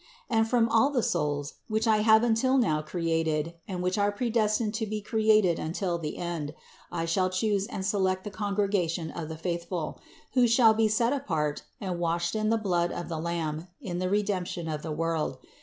And from all the souls, which I have until now created and which are predestined to be created unto the end, I shall choose and select the congregation of the faithful, who shall be set apart and washed in the blood of the Lamb in the Redemption of the world.